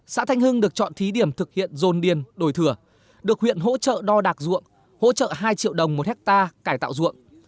xã thanh hưng được chọn thí điểm thực hiện dồn điền đổi thừa được huyện hỗ trợ đo đạc ruộng hỗ trợ hai triệu đồng một hectare cải tạo ruộng